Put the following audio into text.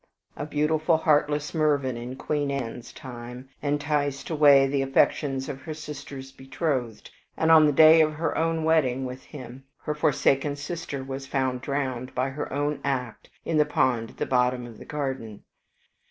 A beautiful, heartless Mervyn in Queen Anne's time enticed away the affections of her sister's betrothed, and on the day of her own wedding with him, her forsaken sister was found drowned by her own act in the pond at the bottom of the garden.